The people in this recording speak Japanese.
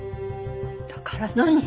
だから何？